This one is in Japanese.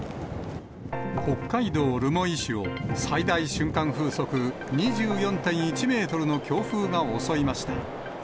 北海道留萌市を、最大瞬間風速２４．１メートルの強風が襲いました。